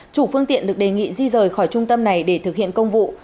chủ phương tiện được đề nghị di rời khỏi trung tâm này để thực hiện công vụ